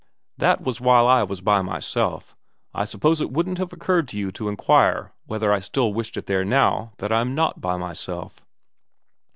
' That was while I was by myself. I suppose it wouldn't have occurred to you to inquire whether I still wished it there now that I am not by myself.'